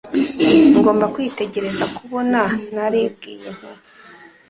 Ngomba kwitegereza kubona naribwiye nti